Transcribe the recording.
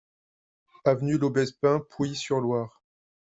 Avenue Laubespin, Pouilly-sur-Loire